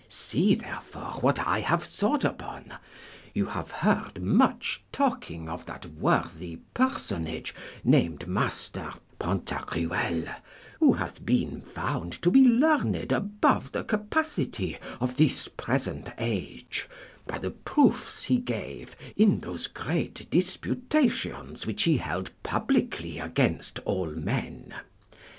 See, therefore, what I have thought upon. You have heard much talking of that worthy personage named Master Pantagruel, who hath been found to be learned above the capacity of this present age, by the proofs he gave in those great disputations which he held publicly against all men.